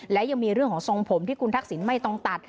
และยังมีเรื่องของทรงผมที่คุณทักษิณไม่ต้องตัด